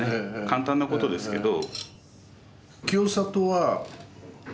簡単なことですけど。